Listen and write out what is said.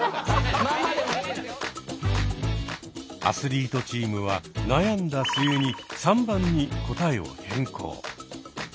アスリートチームは悩んだ末に３番に答えを変更。